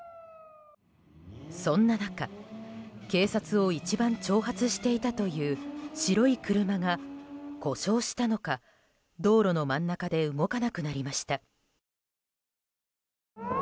そんな中、警察を一番挑発していたという白い車が故障したのか、道路の真ん中で動かなくなりました。